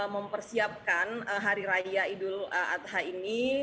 mempersiapkan hari raya idul adha ini